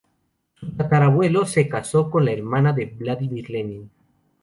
Su tatara-abuelo se casó con la hermana de Vladimir Lenin.